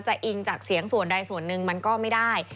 อิงจากเสียงส่วนใดส่วนหนึ่งมันก็ไม่ได้